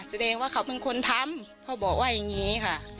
แสดงว่าเขาเป็นคนทำเขาบอกว่าอย่างนี้ค่ะ